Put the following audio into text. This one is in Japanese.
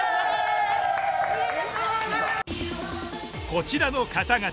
こちらの方々